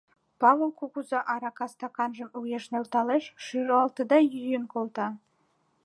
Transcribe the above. — Павыл кугыза арака стаканжым уэш нӧлталеш, шӱлалтыде йӱын колта.